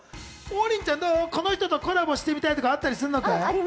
王林ちゃん、この人とコラボしてみたいとかあるんだって？